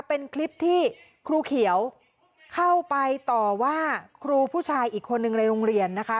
เป็นคลิปที่ครูเขียวเข้าไปต่อว่าครูผู้ชายอีกคนนึงในโรงเรียนนะคะ